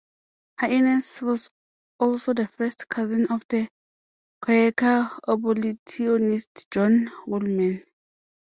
Haines was also the first cousin of the Quaker abolitionist John Woolman.